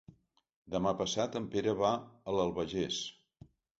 Demà passat en Pere va a l'Albagés.